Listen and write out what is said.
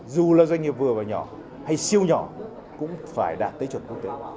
dù là doanh nghiệp vừa và nhỏ hay siêu nhỏ cũng phải đạt tới chuẩn quốc tế